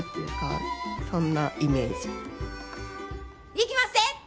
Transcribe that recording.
いきまっせ！